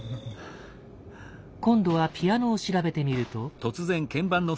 今度はピアノを調べてみると。